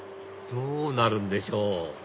どうなるんでしょう？